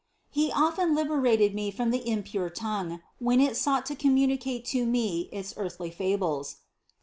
He often liberated me from the impure tongue, when it sought to communicate to me its earthly fables (Ps.